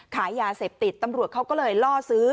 ขายยาเสพติดตำรวจเขาก็เลยล่อซื้อ